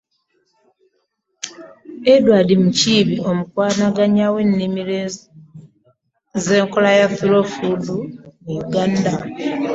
Edward Mukiibi, omukwanaganya w’ennimiro z’enkola ya Slow Food mu Uganda